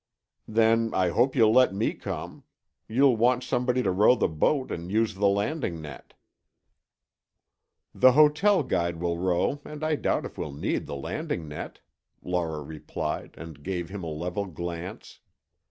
"Then, I hope you'll let me come. You'll want somebody to row the boat and use the landing net." "The hotel guide will row and I doubt if we'll need the landing net," Laura replied and gave him a level glance.